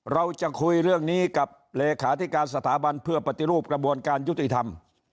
เราจะคุยเรื่องนี้กับเลขาธิการสถาบันเพื่อปฏิรูปกระบวนการยุติธรรม